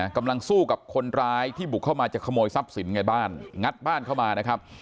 กำลังสู้กับคนร้ายที่บุกเข้ามาจะขโมยทรัพย์สินในบ้านงัดบ้านเข้ามานะครับ